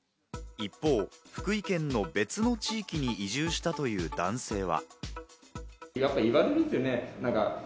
一方、福井県の別の地域に移住したという男性は。